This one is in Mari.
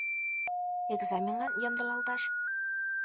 Экзаменлан ямдылалташ?